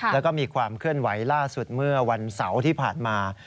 แล้วก็มีความเคลื่อนไหวล่าสุดเมื่อวันเสาร์ที่ผ่านมา